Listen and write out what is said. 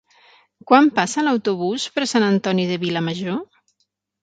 Quan passa l'autobús per Sant Antoni de Vilamajor?